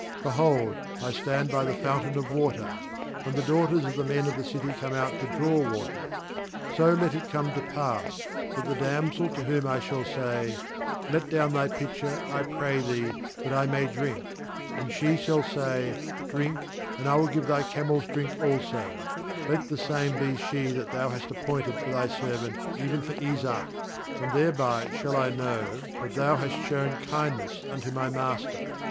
13Behold, I stand by the foun tain of water; and the daughters of the men of the city come out to draw water. 14So let it come to pass, that the damsel to whom I shall say: Let down thy pitcher, I pray thee, that I may drink; and she shall say: Drink, and I will give thy camels drink also; let the same be she that Thou hast appointed for Thy servant, even for Isaac; and thereby shall I know that Thou hast shown kindness unto my master.'